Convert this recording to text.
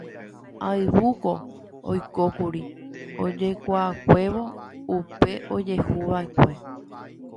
Ayvúko oikókuri ojekuaakuévo upe ojehuva'ekue.